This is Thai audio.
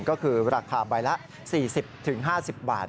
ก็คือราคาใบละ๔๐๕๐บาท